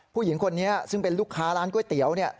ผู้หญิงคนนี้ซึ่งเป็นลูกค้าร้านก๋วยเตี๋ยวเนี่ย